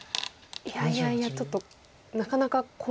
いやいやいやちょっとなかなか怖いですよね